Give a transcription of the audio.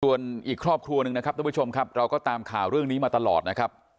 ส่วนอีกครอบครัวหนึ่งนะครับทุกผู้ชมครับเราก็ตามข่าวเรื่องนี้มาตลอดนะครับ